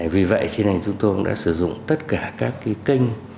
vì vậy chúng tôi đã sử dụng tất cả các kênh